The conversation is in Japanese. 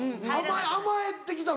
甘えてきたの？